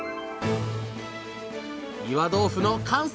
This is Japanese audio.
岩豆腐の完成です！